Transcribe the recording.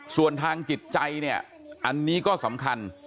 ส่วนทางจิตใจเนี่ยอันนี้ก็สำคัญ